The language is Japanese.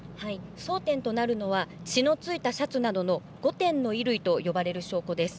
争点となるのは血の付いたシャツなどの５点の衣類と呼ばれる証拠です。